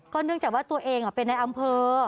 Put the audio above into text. เนื่องจากว่าตัวเองเป็นในอำเภอ